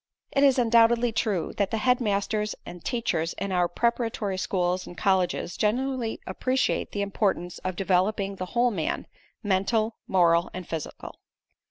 It is undoubtedly true that the head masters and teachers in our preparatory schools and colleges generally appreciate the importance of developing the whole man, mental, moral and physical.